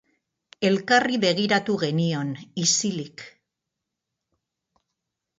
Elkarri begiratu genion, isilik.